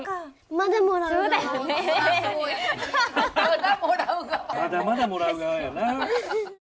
まだまだもらう側よな。